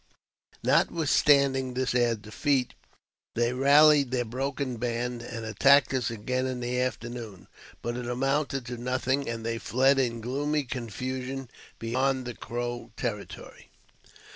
Notwithstanding this sad defeat, they rallied their broken band, and attacked us again in the afternoon ; but it amounted to nothing, and they fled in gloomy confusion beyond the Crow territory.